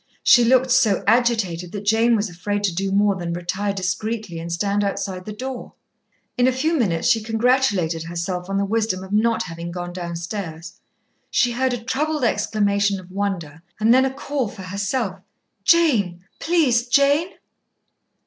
She looked so agitated that Jane was afraid to do more than retire discreetly and stand outside the door. In a few minutes she congratulated herself on the wisdom of not having gone downstairs. She heard a troubled exclamation of wonder, and then a call for herself. "Jane, please, Jane!"